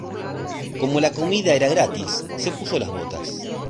Como la comida era gratis, se puso las botas